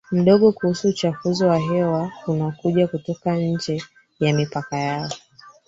mdogo kuhusu uchafuzi wa hewa unaokuja kutoka nje ya mipaka yao